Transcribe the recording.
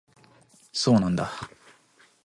そうなんだ